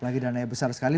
dan lagi dana besar sekali